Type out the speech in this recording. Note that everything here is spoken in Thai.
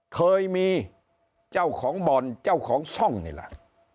เคยมีเจ้าของบ่อนเจ้าของช่องนี่แหละ